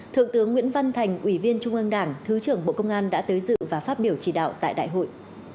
thượng tướng nguyễn văn thành ủy viên trung ương đảng thứ trưởng bộ công an đã tới dự và phát biểu chỉ đạo tại đại hội